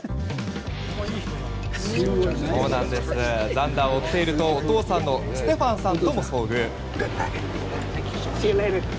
ザンダーを追っているとお父さんのステファンさんとも遭遇。